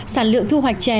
sản lượng thu hoạch trè